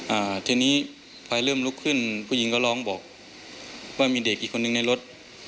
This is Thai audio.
อ่าทีนี้พอยเริ่มลุกขึ้นผู้หญิงก็ร้องบอกว่ามีเด็กอีกคนนึงในรถ